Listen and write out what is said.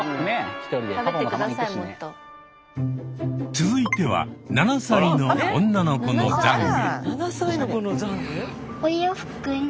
続いては７歳の女の子の懺悔。